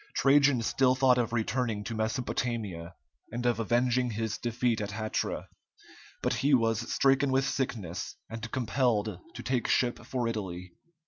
Trajan still thought of returning to Mesopotamia, and of avenging his defeat at Hatra, but he was stricken with sickness and compelled to take ship for Italy.